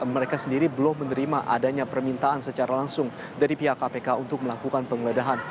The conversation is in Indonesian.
mereka sendiri belum menerima adanya permintaan secara langsung dari pihak kpk untuk melakukan penggeledahan